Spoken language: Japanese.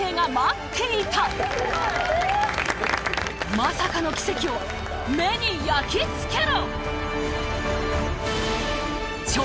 まさかの奇跡を目に焼き付けろ！